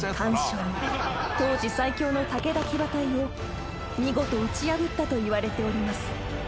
［当時の最強の武田騎馬隊を見事打ち破ったといわれております］